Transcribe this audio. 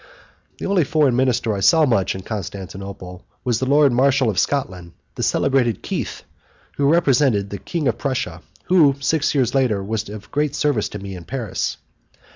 The only foreign minister I saw much in Constantinople was the lord marshal of Scotland, the celebrated Keith, who represented the King of Prussia, and who, six years later was of great service to me in Paris.